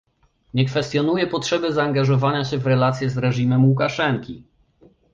Nie kwestionuję potrzeby zaangażowania się w relacje z reżimem Łukaszenki